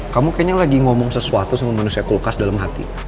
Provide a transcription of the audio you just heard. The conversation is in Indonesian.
kamu kayaknya lagi ngomong sesuatu sama manusia kulkas dalam hati